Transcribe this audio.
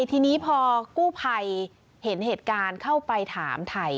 ทีนี้พอกู้ภัยเห็นเหตุการณ์เข้าไปถามถ่าย